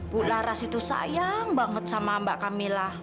bu laras itu sayang banget sama mbak camillah